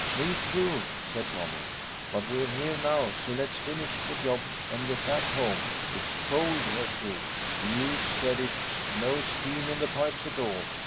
"Me, too," said Tommy. "But we're here now, so let's finish the job and get back home. It's cold here, too." "You said it. No steam in the pipes at all.